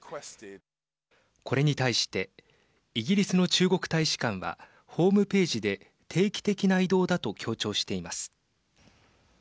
これに対してイギリスの中国大使館はホームページで定期的な異動だと強調しています。